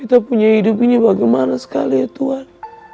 kita punya hidup ini bagaimana sekali ya tuhan